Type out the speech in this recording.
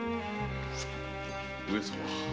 上様